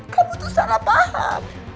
kamu tuh salah perhatian